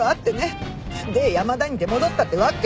で山田に出戻ったってわけ。